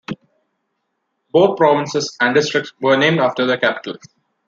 Both provinces and districts were named after their capitals.